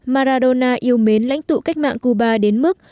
maradona yêu mến lãnh tụ cách mạng cuba đến mức